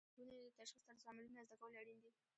د مکروبونو د تشخیص طرزالعملونه زده کول اړین دي.